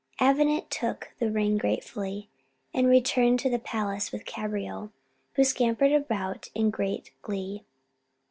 Avenant took the ring gratefully and returned to the palace with Cabriole, who scampered about in great glee.